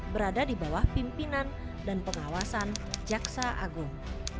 berada di bawah pimpinan dan pengawasan jaksa agung